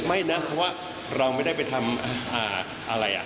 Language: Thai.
ไม่นะเพราะว่าเราไม่ได้ไปทำอะไร